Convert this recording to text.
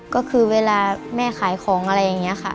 ก็คือเวลาแม่ขายของอะไรอย่างนี้ค่ะ